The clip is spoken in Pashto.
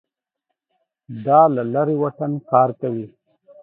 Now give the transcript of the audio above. دا له لرې واټن کار کوي